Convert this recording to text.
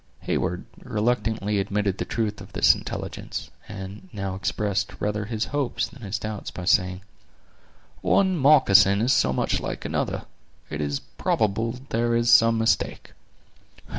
Heyward reluctantly admitted the truth of this intelligence, and now expressed rather his hopes than his doubts by saying: "One moccasin is so much like another, it is probable there is some mistake."